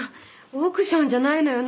オークションじゃないのよ。